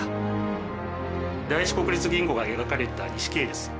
第一国立銀行が描かれた錦絵です。